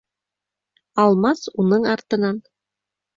Алмас, уның артынан